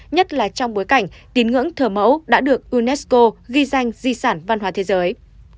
nhất là trong bối cảnh tín ngưỡng thờ mẫu đã được unesco ghi danh di sản văn hóa thế giới